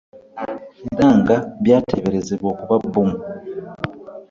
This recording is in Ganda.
Era nga byateeberezebwa okuba bbomu